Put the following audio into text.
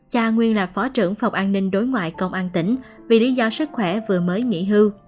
cha nguyên là phó trưởng phòng an ninh đối ngoại công an tỉnh vì lý do sức khỏe vừa mới nghỉ hưu